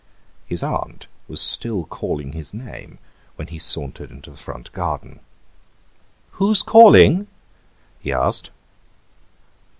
His aunt was still calling his name when he sauntered into the front garden. "Who's calling?" he asked.